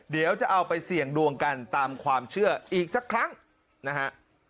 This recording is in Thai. เดี๋ยวจะเอาไปเสี่ยงดวงกันตามความเชื่ออีกสักครั้งนะฮะ